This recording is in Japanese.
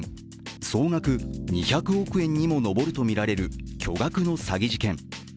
総額２００億円にも上るとみられる巨額の詐欺事件。